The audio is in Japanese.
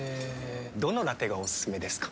どのラテがおすすめですか？